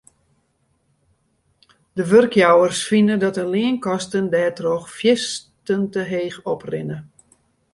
De wurkjouwers fine dat de leankosten dêrtroch fierstente heech oprinne.